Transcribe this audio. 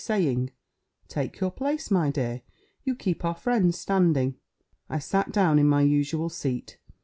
saying, "Take your place, my dear; you keep our friends standing;" I sat down in my usual seat.